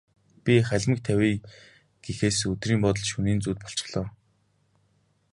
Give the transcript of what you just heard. Би халимаг тавья гэхээс өдрийн бодол, шөнийн зүүд болчихлоо.